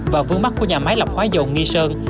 và vướng mắt của nhà máy lọc hóa dầu nghi sơn